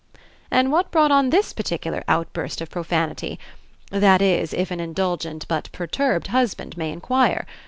"And what brought on this particular outburst of profanity? That is, if an indulgent but perturbed husband may inquire.